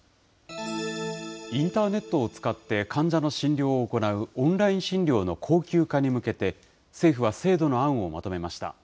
インターネットを使って患者の診療を行うオンライン診療の恒久化に向けて、政府は制度の案をまとめました。